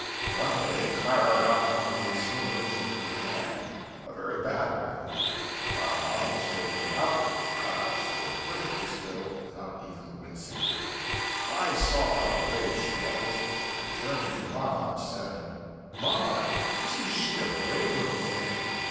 One day Clara got one of these slivers in her hand, a very bad one, and while mama was taking it out, Clara stood perfectly still without even wincing: I saw how brave she was and turning to mamma said "Mamma isn't she a brave little thing!"